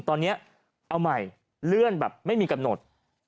ตอนนี้เอาใหม่เลื่อนแบบไม่มีกำหนด